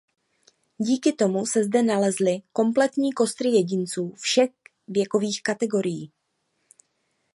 Díky tomu se zde nalezly kompletní kostry jedinců všech věkových kategorií.